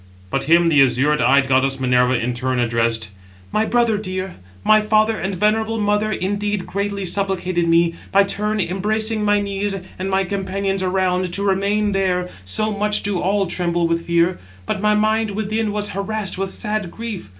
But him the azure eyed goddess Minerva in turn addressed: "My brother dear, my father and venerable mother indeed greatly supplicated me, by turn embracing my knees and my companions around, to remain there (so much do all tremble with fear); but my mind within was harassed with sad grief.